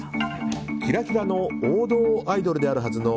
キラキラの王道アイドルであるはずのＭ！